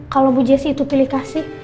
kalau bu jessi itu pilih kasih